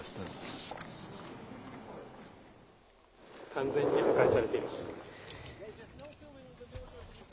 完全に破壊されています。